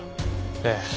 ええ。